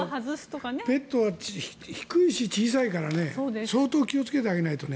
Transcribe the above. ペットは低いし、小さいから相当気をつけてあげないと。